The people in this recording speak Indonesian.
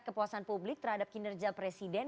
kepuasan publik terhadap kinerja presiden